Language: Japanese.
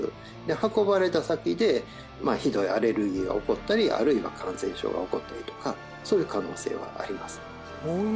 運ばれた先でひどいアレルギーが起こったりあるいは感染症が起こったりとかそういう可能性はあります。